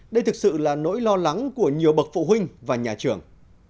đây thực sự là nỗi lo lắng của nhiều bậc phụ huynh và nhà trường